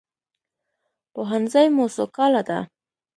پوهنځی مو څو کاله ده؟